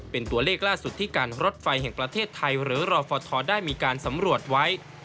เป็นตัวเลขล่าสุดที่การรถไฟแห่งประเทศไทยหรือรอฟทได้มีการสำรวจไว้